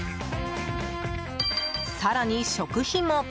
更に、食費も。